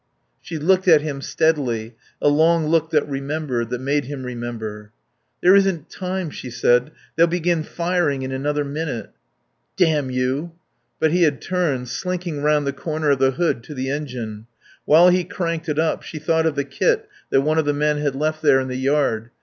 She looked at him steadily, a long look that remembered, that made him remember. "There isn't time," she said. "They'll begin firing in another minute." "Damn you." But he had turned, slinking round the corner of the hood to the engine. While he cranked it up she thought of the kit that one of the men had left there in the yard.